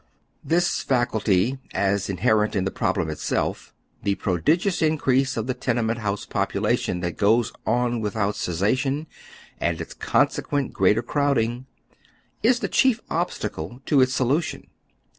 This faculty, as inherent in the problem itself — the pro digious increase of the tenement house population that goes on without eeaeation, and its consequent greater crowding — is the chief obstacle to its solution.